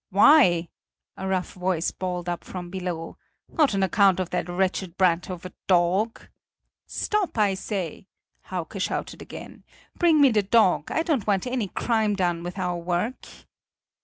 "Why?" a rough voice bawled up from below, "not on account of the wretched brat of a dog?" "Stop, I say!" Hauke shouted again; "bring me the dog! I don't want any crime done with our work."